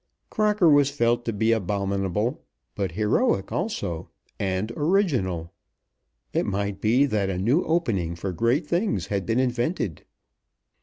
Crocker was felt to be abominable; but heroic also, and original. It might be that a new opening for great things had been invented.